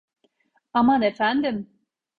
Ama efendim!